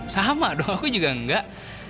sama dong aku juga enggak